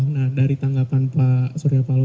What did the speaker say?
nah dari tanggapan pak surya paloh